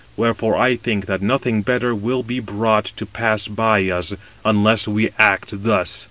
Wherefore I think that nothing better will be brought to pass by us, unless we act thus."